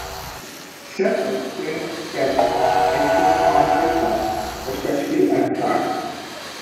Several spring-fed ponds exist on the hilltops, especially at Clarks.